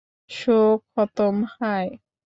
Show খতম, হাহ।